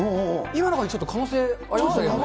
今のほうがちょっと可能性ありましたよね。